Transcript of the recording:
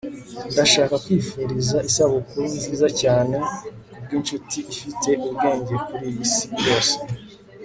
ndashaka kwifuriza isabukuru nziza cyane kubwincuti ifite ubwenge kuriyi si yose